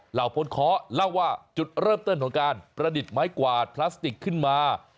เห่าพ้นเคาะเล่าว่าจุดเริ่มต้นของการประดิษฐ์ไม้กวาดพลาสติกขึ้นมา